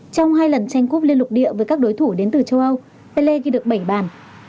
trong hai lần tranh cúp liên lục địa với các đối thủ đến từ châu âu ele ghi được bảy bàn